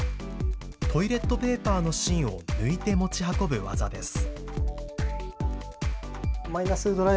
トイレットペーパーの芯を抜いて持ち運ぶ技です。